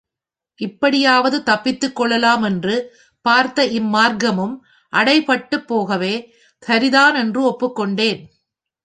இப்படியாவது தப்பித்துக் கொள்ளலாம் என்று பார்த்த இம் மார்க்கமும் அடைபட்டுப் போகவே, சரிதான் என்று ஒப்புக்கொண்டேன்.